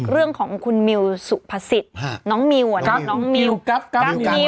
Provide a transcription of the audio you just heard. เรื่องของคุณมิวสุภาษิตน้องมิวน้องมิวกั๊ก